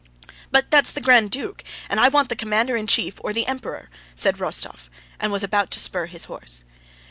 "But that's the Grand Duke, and I want the commander in chief or the Emperor," said Rostóv, and was about to spur his horse.